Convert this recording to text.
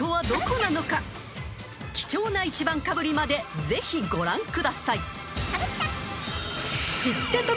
［貴重な１番かぶりまでぜひご覧ください］